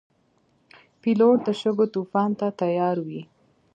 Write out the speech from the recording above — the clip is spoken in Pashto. پیلوټ د شګو طوفان ته تیار وي.